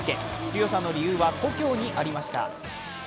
強さの理由は故郷にありました。